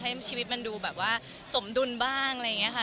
ให้ชีวิตมันดูแบบว่าสมดุลบ้างอะไรอย่างนี้ค่ะ